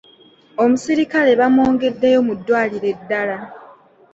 Omusirikale bamwongeddeyo mu ddwaliro eddala.